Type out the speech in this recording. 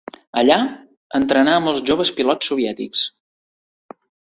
Allà, entrenà a molts joves pilots soviètics.